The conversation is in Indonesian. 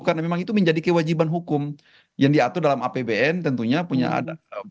karena memang itu menjadi kewajiban hukum yang diatur dalam apbn tentunya punya ada